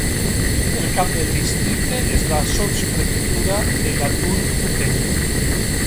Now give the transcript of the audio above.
El cap del districte és la sotsprefectura de La Tour-du-Pin.